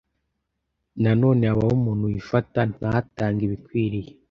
l nanone habaho umuntu wifata ntatange ibikwiriye